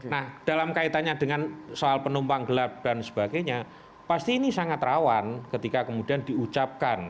nah dalam kaitannya dengan soal penumpang gelap dan sebagainya pasti ini sangat rawan ketika kemudian diucapkan